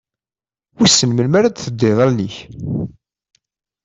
Wissen melmi ara d-teldiḍ allen-ik?